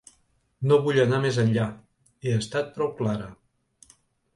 No vull anar més enllà, he estat prou clara.